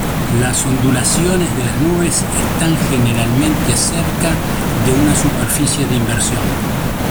Las ondulaciones de las nubes están generalmente cerca de una superficie de inversión.